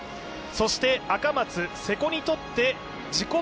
そして、赤松、瀬古にとって自己